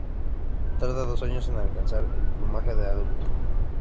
Tarda dos años en alcanzar el plumaje del adulto.